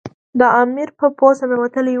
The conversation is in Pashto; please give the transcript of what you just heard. د امیر په پوست ننوتلی وو.